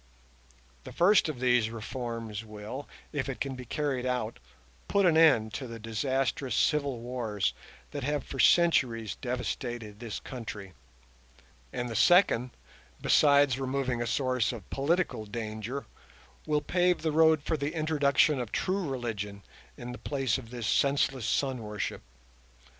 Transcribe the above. The first of these reforms will, if it can be carried out, put an end to the disastrous civil wars that have for centuries devastated this country; and the second, besides removing a source of political danger, will pave the road for the introduction of true religion in the place of this senseless Sun worship.